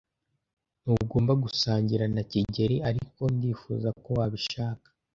Ntugomba gusangira na kigeli, ariko ndifuza ko wabishaka.